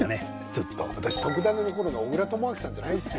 ちょっと私『とくダネ！』の頃の小倉智昭さんじゃないですよ。